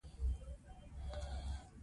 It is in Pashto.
دا فکري ازموینه یوه خبره په ښه توګه ښيي.